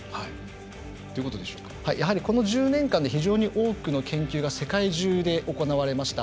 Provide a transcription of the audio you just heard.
やはりこの１０年間で非常に多くの研究が世界中で行われました。